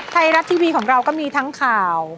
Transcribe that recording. ไทยรัฐทีวีของเราก็มีทั้งข่าว